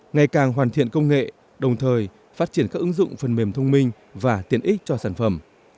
ngày càng hoàn thiện công nghệ đồng thời phát triển các ứng dụng phần mềm thông minh và tiện ích cho sản phẩm